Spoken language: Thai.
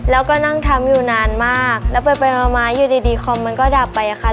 แล้วก็นั่งทำอยู่นานมากแล้วไปมาอยู่ดีคอมมันก็ดับไปอะค่ะ